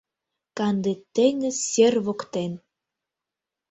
Канде теҥыз сер воктен